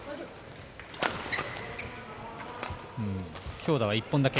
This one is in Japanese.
強打は一本だけ。